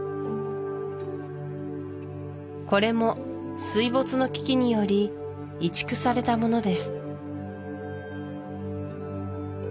これも水没の危機により移築されたものです